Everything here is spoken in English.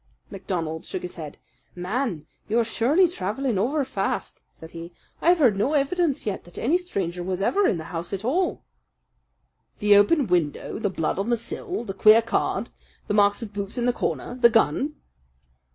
MacDonald shook his head. "Man, you are surely travelling overfast," said he. "I have heard no evidence yet that any stranger was ever in the house at all." "The open window, the blood on the sill, the queer card, the marks of boots in the corner, the gun!"